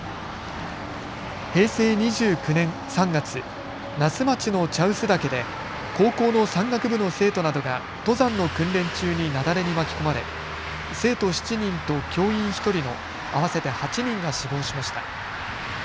平成２９年３月、那須町の茶臼岳で高校の山岳部の生徒などが登山の訓練中に雪崩に巻き込まれ生徒７人と教員１人の合わせて８人が死亡しました。